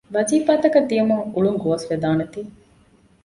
ވަޒީފާތަކަށް ދިއުމުން އުޅުން ގޯސްވެދާނެތީ